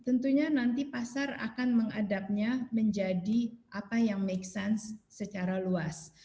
tentunya nanti pasar akan mengadapnya menjadi apa yang make sense secara luas